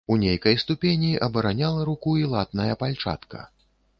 У нейкай ступені абараняла руку і латная пальчатка.